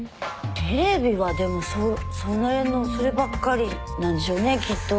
テレビはでもそれのそればっかりなんでしょうねきっと。